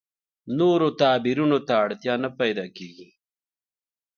نور تعبیرونو اړتیا نه پیدا کېږي.